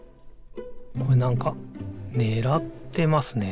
これなんかねらってますね。